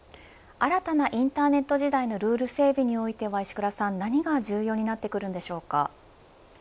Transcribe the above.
新たなインターネット時代のルール整備においては石倉さん、何が重要になってくるんでしょうか。